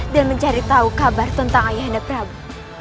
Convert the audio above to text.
dan mencari tahu kabar tentang ayah henda prabu